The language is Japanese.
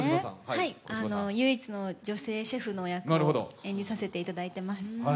はい、唯一の女性シェフの役を演じさせていただいています。